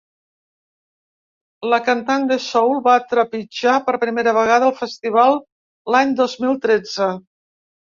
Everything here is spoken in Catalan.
La cantant de soul va trepitjar per primera vegada el festival l’any dos mil tretze.